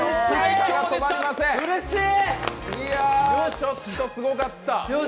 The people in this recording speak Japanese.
ちょっとすごかった。